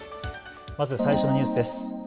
まず最初のニュースです。